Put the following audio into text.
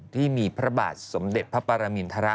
ที่มีพระบาทสมเด็จพระปรมินทร